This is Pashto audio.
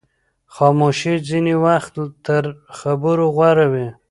خاموشي ځینې وخت تر خبرو غوره وي.